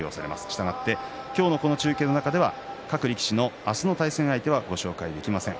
したがって今日のこの中継の中では各力士の明日の対戦相手はご紹介できません。